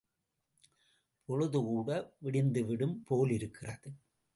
பொழுதுகூட விடிந்துவிடும் போலிருக்கிறதே!